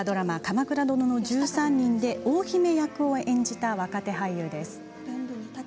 「鎌倉殿の１３人」で大姫役を演じた若手俳優です。